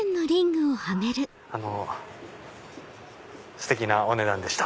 あのステキなお値段でした。